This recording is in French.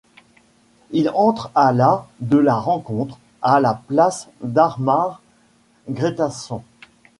Il entre à la de la rencontre, à la place d'Arnar Grétarsson.